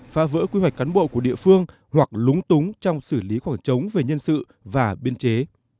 phá vỡ quy hoạch cán bộ của địa phương hoặc lúng túng trong xử lý khoảng trống về nhân sự và biên chế